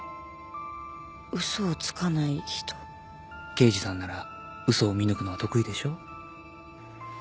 刑事さんなら嘘を見抜くのは得意でしょう？